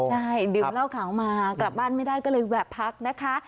ใช่ดื่มเหล้าขาวมากลับบ้านไม่ได้ก็เลยแวะพักนะคะ